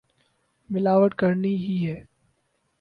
ملاوٹ کرنی ہی ہے۔